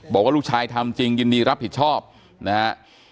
บอกว่าลูกชายทำจริงยินดีรับผิดชอบนะฮะ